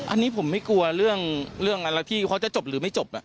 อันนี้ผมไม่กลัวเรื่องอะไรที่เขาจะจบหรือไม่จบ